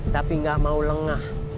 tapi gak mau lengah